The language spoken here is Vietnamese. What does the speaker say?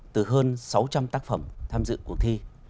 từ hơn sáu trăm linh tác phẩm tham dự cuộc thi